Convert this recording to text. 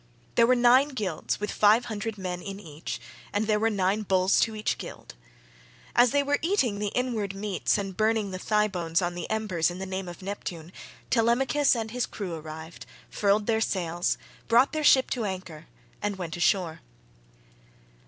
There were nine guilds with five hundred men in each, and there were nine bulls to each guild. As they were eating the inward meats25 and burning the thigh bones [on the embers] in the name of Neptune, Telemachus and his crew arrived, furled their sails, brought their ship to anchor, and went ashore.